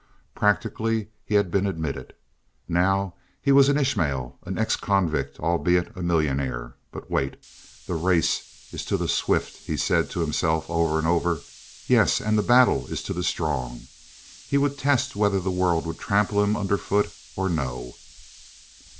Practically he had been admitted. Now he was an Ishmael, an ex convict, albeit a millionaire. But wait! The race is to the swift, he said to himself over and over. Yes, and the battle is to the strong. He would test whether the world would trample him under foot or no.